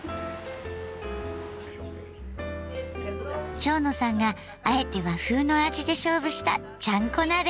蝶野さんがあえて和風の味で勝負したちゃんこ鍋。